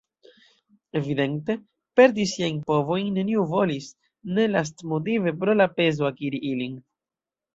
Evidente, perdi siajn povojn neniu volis – ne lastmotive pro la prezo akiri ilin.